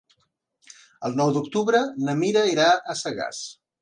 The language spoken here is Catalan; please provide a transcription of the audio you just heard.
El nou d'octubre na Mira irà a Sagàs.